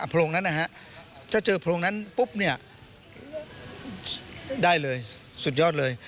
โรงนั้นนะฮะถ้าเจอโพรงนั้นปุ๊บเนี่ยได้เลยสุดยอดเลย